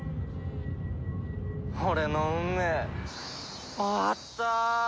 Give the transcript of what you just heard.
俺の運命終わった。